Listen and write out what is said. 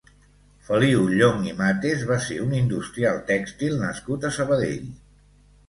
Feliu Llonch i Mates va ser un industrial tèxtil nascut a Sabadell.